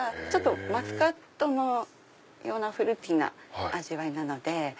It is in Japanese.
マスカットのようなフルーティーな味わいなので。